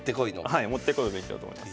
はい持ってくるべきだと思います。